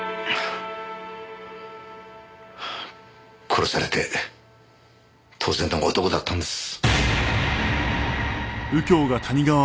殺されて当然の男だったんです。